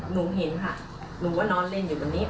หนูเห็นค่ะหนูก็นอนเล่นอยู่ตรงนี้